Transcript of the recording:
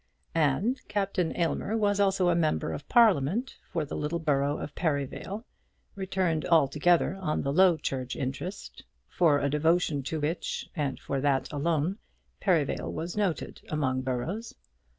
And Captain Aylmer was also Member of Parliament for the little borough of Perivale, returned altogether on the Low Church interest, for a devotion to which, and for that alone, Perivale was noted among boroughs.